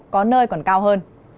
có nơi còn cao hơn